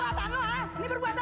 ini berbuatan lo hah